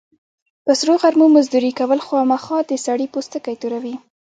په سرو غرمو مزدوري کول، خوامخا د سړي پوستکی توروي.